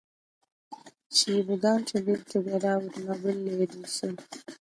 She began to live together with Noble Lady Shun.